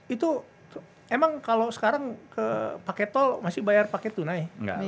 itu emang kalau sekarang pakai tol masih bayar pakai tunai